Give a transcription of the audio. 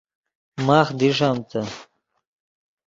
ماخ دیݰمتے